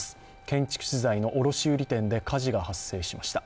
建築資材の卸売店で火事が発生しました。